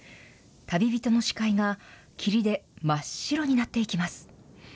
旅人の視界が、霧で真っ白になっていきます。